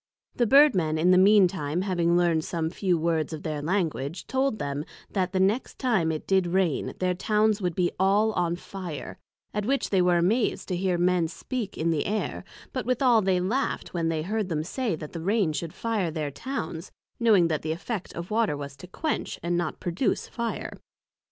The Bird men in the mean time having learned some few words of their Language, told them, That the next time it did rain, their Towns would be all on fire; at which they were amaz'd to hear Men speak in the air; but withall they laughed when they heard them say that rain should fire their Towns; knowing that the effect of Water was to quench, not produce Fire.